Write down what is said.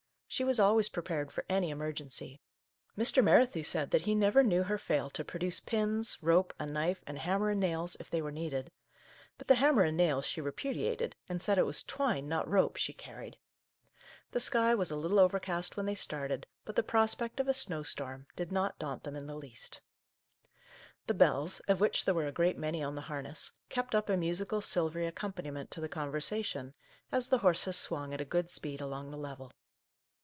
She was always pre pared for any emergency. Mr. Merrithew said that he never knew her fail to produce pins, rope, a knife, and hammer and nails, if they were needed. But the hammer and nails she repudiated, and said it was twine, not rope, she carried ! The sky was a little overcast when they started, but the prospect of a snow storm did not daunt them in the least. 104 Our Little Canadian Cousin The bells, of which there were a great many on the harness, kept up a musical, silvery ac companiment to the conversation, as the horses swung at a good speed along the level.